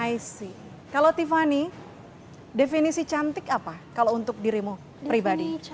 ic kalau tiffany definisi cantik apa kalau untuk dirimu pribadi